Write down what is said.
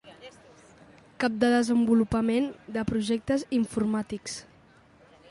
Cap de Desenvolupament de Projectes Informàtics.